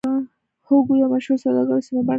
هوګو یو مشهور سوداګر و سمه بڼه ولیکئ.